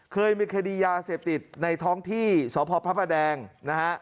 เคยมีคดียาเสพติดในท้องที่สพพระประแดงนะฮะ